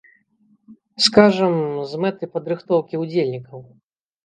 Скажам, з мэтай падрыхтоўкі ўдзельнікаў!